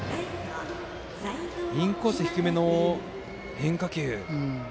インコース低めの変化球。